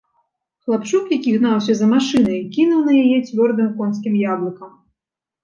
Хлапчук, які гнаўся за машынай, кінуў на яе цвёрдым конскім яблыкам.